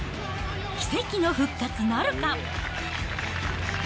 奇跡の復活なるか。